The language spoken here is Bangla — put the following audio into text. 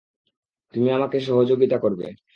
তুমি আমাকে সহযোগিতা করবে।